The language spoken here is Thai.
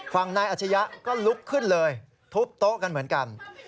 นายอัชยะก็ลุกขึ้นเลยทุบโต๊ะกันเหมือนกัน